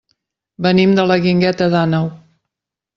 Venim de la Guingueta d'Àneu.